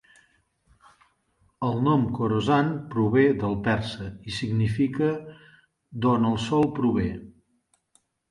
El nom "Khorasan" prové del persa i significa "d'on el sol prové".